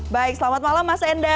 baik selamat malam mas enda